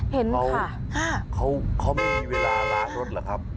เห็นค่ะค่ะเขาค่ามีเวลาร้านรถหรือครับ